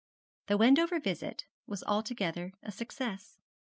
The Wendover visit was altogether a success.